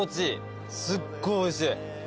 すっごいおいしい。